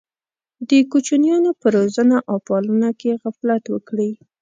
د کوچنیانو په روزنه او پالنه کې غفلت وکړي.